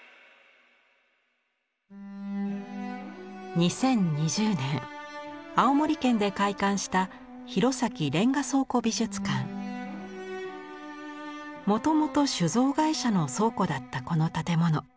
２０２０年青森県で開館したもともと酒造会社の倉庫だったこの建物。